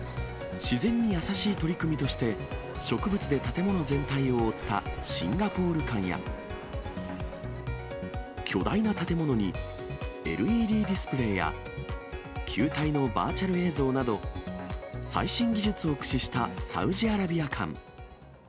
自然に優しい取り組みとして、植物で建物全体を覆ったシンガポール館や、巨大な建物にＬＥＤディスプレーや球体のバーチャル映像など、最新技術を駆使したサウジアラビア館。